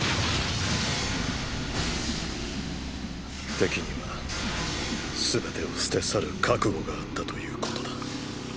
敵には全てを捨て去る覚悟があったということだ。